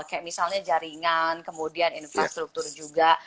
kayak misalnya jaringan kemudian infrastruktur juga